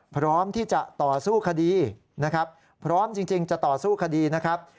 พร้อมที่จะต่อสู้คดีนะครับ